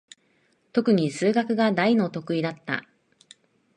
とくに数学が大の得意だった。